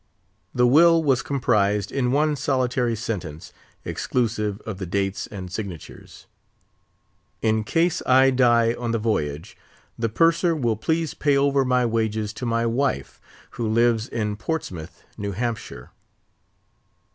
The will was comprised in one solitary sentence, exclusive of the dates and signatures: "In case I die on the voyage, the Purser will please pay over my wages to my wife, who lives in Portsmouth, New Hampshire."